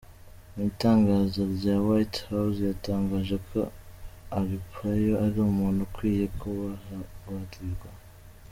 Mu itangazo rya White House, yatangaje ko Arpaio ari umuntu ukwiye kubabarirwa.